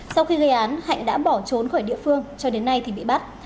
sau khi gây án hạnh đã bỏ trốn khỏi địa phương cho đến nay thì bị bắt